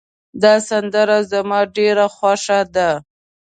دا سندره زما ډېره خوښه ده